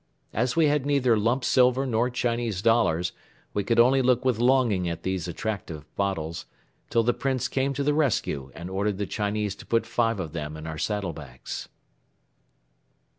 As we had neither lump silver nor Chinese dollars, we could only look with longing at these attractive bottles, till the Prince came to the rescue and ordered the Chinese to put five of them in our saddle bags.